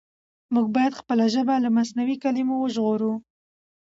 موږ بايد خپله ژبه له مصنوعي کلمو وژغورو.